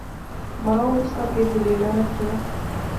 مائو اس اگے دلیلاں رکھیاں